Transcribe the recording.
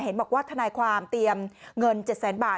เห็นบอกว่าทนายความเตรียมเงิน๗แสนบาท